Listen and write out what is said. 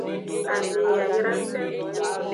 Ame yayra.